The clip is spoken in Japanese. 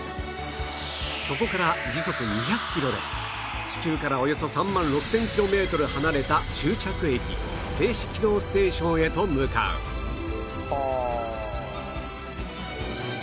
そこから時速２００キロで地球からおよそ３万６０００キロメートル離れた終着駅静止軌道ステーションへと向かうはあ。